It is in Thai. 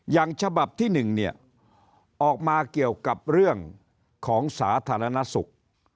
ฉบับที่๑เนี่ยออกมาเกี่ยวกับเรื่องของสาธารณสุข